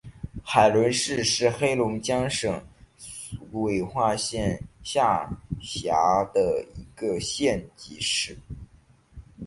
海伦市是黑龙江省绥化市下辖的一个县级市。